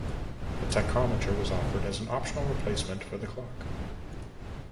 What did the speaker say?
A tachometer was offered as an optional replacement for the clock.